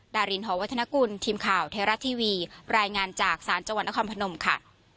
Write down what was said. ดารินหอวัฒนกุลทีมข่าวเทราะทีวีรายงานจากสร้างจังหวัฒนภนมค่ะ